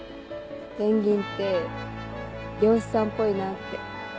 ペンギンって漁師さんっぽいなって。